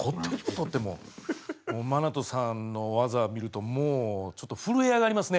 もう心都さんの技見るとちょっと震え上がりますね。